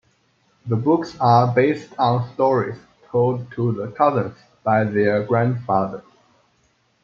The books are based on stories told to the cousins by their grandfather.